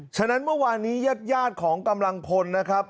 ฉะนั้นเมื่อวานนี้ญาติของกำลังพลนะครับ